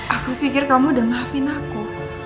aku pikir kamu udah maafin aku